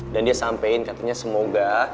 dan dia sampein katanya semoga